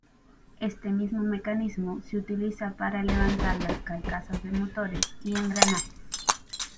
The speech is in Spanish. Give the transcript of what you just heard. Este mismo mecanismo se utiliza para levantar las carcasas de motores y engranajes.